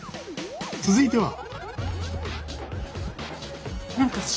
続いては。